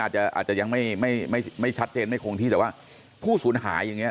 อาจจะยังไม่ไม่ชัดเจนไม่คงที่แต่ว่าผู้สูญหายอย่างนี้